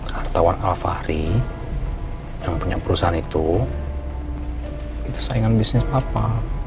hartawan alvahri yang punya perusahaan itu itu saingan bisnis papa